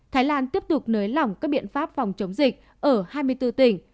thái lan tiếp tục nới lỏng các biện pháp phòng chống dịch ở hai mươi bốn tỉnh